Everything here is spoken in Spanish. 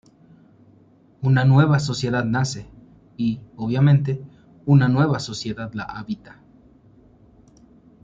Una nueva ciudad nace y obviamente una nueva sociedad la habita.